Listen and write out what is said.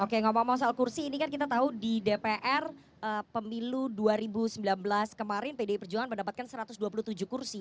oke ngomong ngomong soal kursi ini kan kita tahu di dpr pemilu dua ribu sembilan belas kemarin pdi perjuangan mendapatkan satu ratus dua puluh tujuh kursi